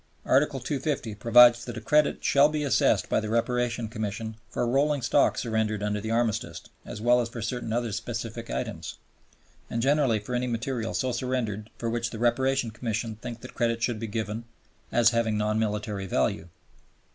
Article 250 provides that a credit shall be assessed by the Reparation Commission for rolling stock surrendered under the Armistice as well as for certain other specified items, and generally for any material so surrendered for which the Reparation Commission think that credit should be given, "as having non military value."